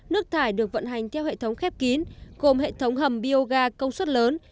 nước thải được vận hành theo hệ thống khép kín gồm hệ thống hầm bioga công suất lớn